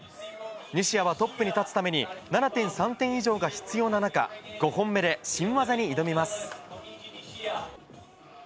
西矢はトップに立つために、７．３点以上が必要な中、５本目で新技に挑みます。